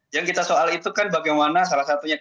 yang kita soal itu kan bagaimana salah satunya